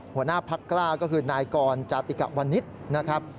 หัวหน้าพักกล้าก็คือนายกรจาติกะวันนิษฐ์นะครับ